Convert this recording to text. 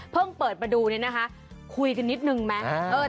เพิ่มเปิดมาดูนะคะคุยกันนิดนึงไหม